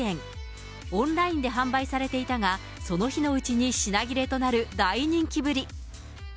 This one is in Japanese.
オンラインで販売されていたが、その日のうちに品切れとなる大人気ぶり。